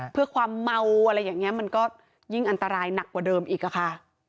เพื่อความเมาอะไรอย่างนี้มันก็ยิ่งอันตรายหนักกว่าเดิมอีกอะค่ะ